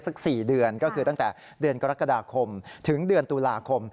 สัก๔เดือนก็คือตั้งแต่เดือนกรกฎาคมถึงเดือนตุลาคม